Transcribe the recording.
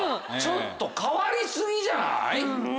ちょっと変わり過ぎじゃない？